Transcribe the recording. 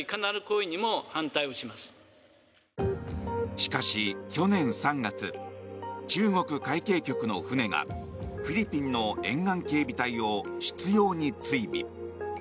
しかし、去年３月中国海警局の船がフィリピンの沿岸警備隊を執ように追尾。